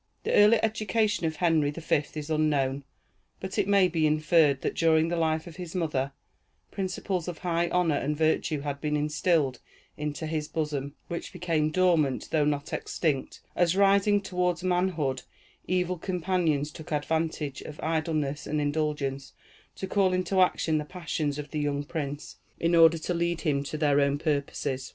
The early education of Henry the Fifth is unknown; but it may be inferred, that during the life of his mother, principles of high honor and virtue had been instilled into his bosom, which became dormant, though not extinct, as rising toward manhood, evil companions took advantage of idleness and indulgence to call into action the passions of the young prince, in order to lead him to their own purposes.